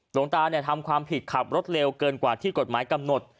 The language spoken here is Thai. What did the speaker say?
หลวงตาทำความผิดขับรถเร็วเกินกว่าที่กฎหมายกำหนด